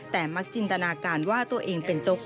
แต่มักจินตนาการว่าตัวเองเป็นโจ๊ก